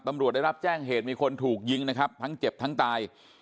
ตำรวจได้รับแจ้งเหตุมีคนถูกยิงทั้งเจ็บถึงตาย